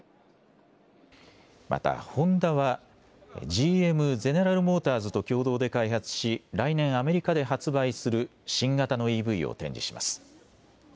またホンダは、ＧＭ・ゼネラル・モーターズと共同で開発し、来年アメリカで発売する新型のＥＶを展示します。